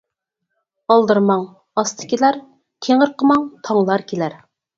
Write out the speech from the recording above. ئالدىرىماڭ، ئاستا كېلەر، تېڭىرقىماڭ، تاڭلا كېلەر.